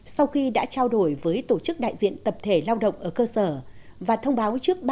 sau khi đã trao đổi với tổ chức đại diện tập thể lao động ở cơ sở và thông báo trước ba mươi ngày